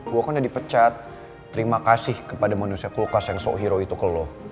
gue kan udah dipecat terima kasih kepada manusia kulkas yang so hero itu ke lo